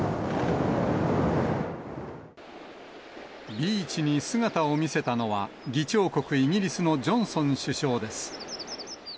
ビーチに姿を見せたのは、議長国、イギリスのジョンソン首相です。